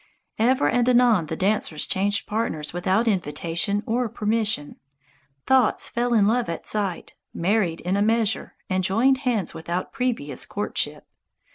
Ever and anon the dancers changed partners without invitation or permission. Thoughts fell in love at sight, married in a measure, and joined hands without previous courtship.